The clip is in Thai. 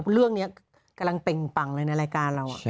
เรื่องนี้กำลังเป่งปังเลยในรายการเรา